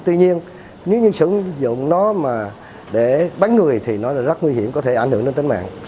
tuy nhiên nếu như sử dụng nó mà để bắn người thì nó rất nguy hiểm có thể ảnh hưởng đến tính mạng